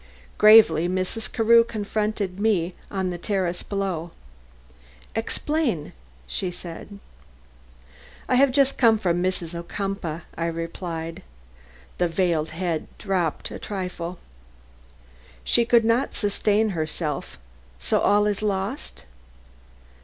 Gravely Mrs. Carew confronted me on the terrace below. "Explain," said she. "I have just come from Mrs. Ocumpaugh," I replied. The veiled head dropped a trifle. "She could not sustain herself! So all is lost?"